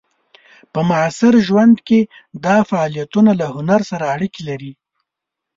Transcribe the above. په معاصر ژوند کې دا فعالیتونه له هنر سره اړیکې لري.